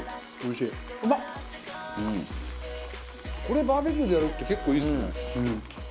これバーベキューでやるって結構いいですね。